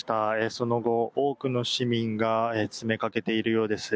その後、多くの市民が詰めかけているようです。